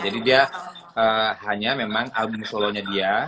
jadi dia hanya memang album solo nya dia